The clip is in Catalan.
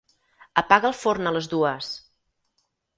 Apaga el forn a les dues.